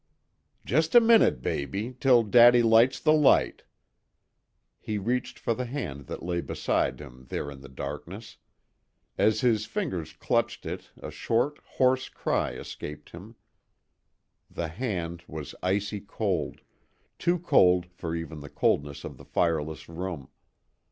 "Just a minute, baby, till daddy lights the light." He reached for the hand that lay beside him there in the darkness. As his fingers clutched it a short, hoarse cry escaped him. The hand was icy cold too cold for even the coldness of the fireless room.